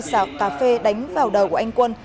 xào cà phê đánh vào đầu của anh quân